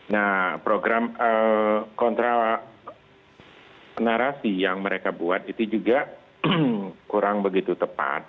nah program kontra narasi yang mereka buat itu juga kurang begitu tepat